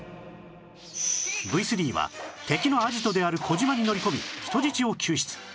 Ｖ３ は敵のアジトである小島に乗り込み人質を救出